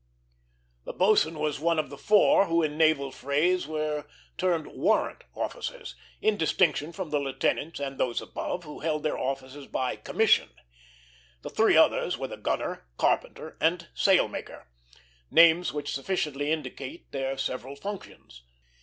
The boatswain was one of the four who in naval phrase were termed "warrant" officers, in distinction from the lieutenants and those above, who held their offices by "commission." The three others were the gunner, carpenter, and sailmaker, names which sufficiently indicate their several functions.